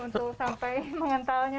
tuh sampai mengentalnya